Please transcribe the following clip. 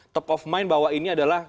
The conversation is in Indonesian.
top of mind bahwa ini adalah